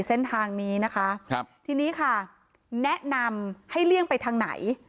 เส้นทางนี้นะคะครับทีนี้ค่ะแนะนำให้เลี่ยงไปทางไหน